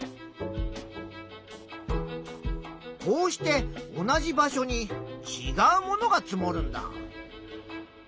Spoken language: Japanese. こうして同じ場所にちがうものが積もるんだ。